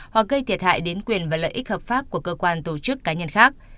hoặc gây thiệt hại đến quyền và lợi ích hợp pháp của cơ quan tổ chức cá nhân khác